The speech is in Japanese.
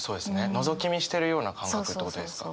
のぞき見してるような感覚ってことですか？